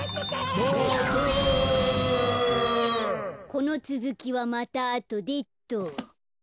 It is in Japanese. このつづきはまたあとでっと。